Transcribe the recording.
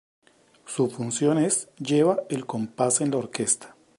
Su función es lleva el compás en la orquesta.